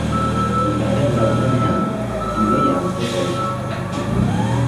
Bigarren laurdenean gidoia antzekoa izan zen.